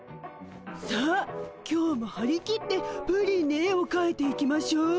さあ今日もはり切ってプリンに絵をかいていきましょう。